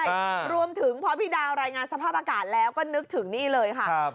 ใช่ค่ะรวมถึงพอพี่ดาวรายงานสภาพอากาศแล้วก็นึกถึงนี่เลยค่ะครับ